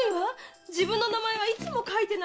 自分の名前はいつも書いてないんです。